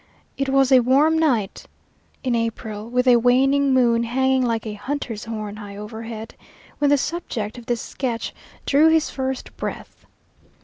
It was a warm night in April, with a waning moon hanging like a hunter's horn high overhead, when the subject of this sketch drew his first breath.